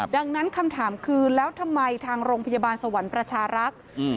ดังนั้นคำถามคือแล้วทำไมทางโรงพยาบาลสวรรค์ประชารักษ์